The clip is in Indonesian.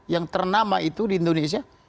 yang ternama itu di indonesia